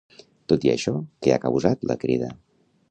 Tot i això, què ha causat la Crida?